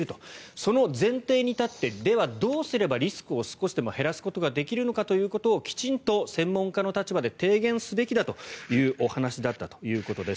その前提に立ってでは、どうすればリスクを少しでも減らすことができるのかということをきちんと専門家の立場で提言すべきだというお話だったということです。